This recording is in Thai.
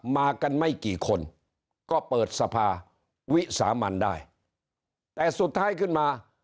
มากันไม่กี่คนก็เปิดสภาวิสามันได้แต่สุดท้ายขึ้นมา